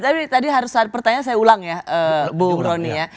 tapi tadi harus pertanyaan saya ulang ya bu roni ya